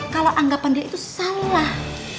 kalau anggapan dia itu salah